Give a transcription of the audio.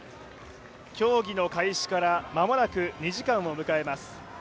競技の開始から、間もなく２時間を迎えます。